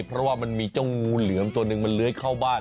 เพราะว่ามันมีเจ้างูเหลือมตัวหนึ่งมันเลื้อยเข้าบ้าน